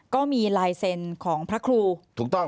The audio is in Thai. ก็มีลายเซ็นต์ของพระครูถูกต้อง